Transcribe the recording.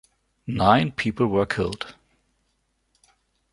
Nine people were killed.